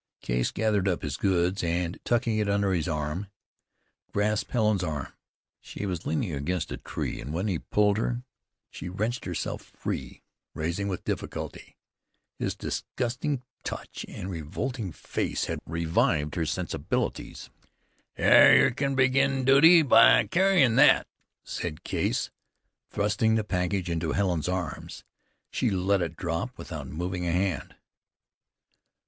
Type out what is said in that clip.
Case gathered up his goods, and, tucking it under his arm, grasped Helen's arm. She was leaning against the tree, and when he pulled her, she wrenched herself free, rising with difficulty. His disgusting touch and revolting face had revived her sensibilities. "Yer kin begin duty by carryin' thet," said Case, thrusting the package into Helen's arms. She let it drop without moving a hand.